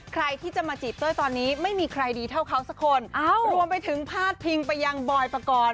ใครที่จะมาจีบเต้ยตอนนี้ไม่มีใครดีเท่าเขาสักคนรวมไปถึงพาดพิงไปยังบอยปกรณ์